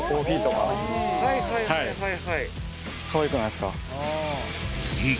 かわいくないですか？